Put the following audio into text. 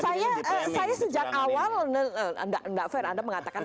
saya sejak awal tidak fair anda mengatakan